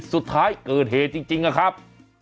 สุดท้ายเกิดเหตุจริงนะครับ